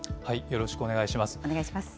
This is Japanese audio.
よろしくお願いします。